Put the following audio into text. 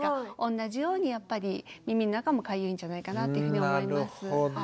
同じようにやっぱり耳の中もかゆいんじゃないかなっていうふうに思います。